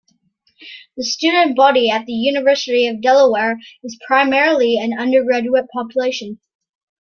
The student body at the University of Delaware is primarily an undergraduate population.